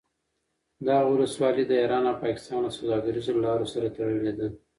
دغه ولسوالي د ایران او پاکستان له سوداګریزو لارو سره تړلې ده